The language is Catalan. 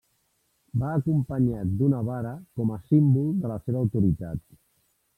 Va acompanyat d'una vara com a símbol de la seva autoritat.